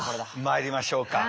まいりましょうか。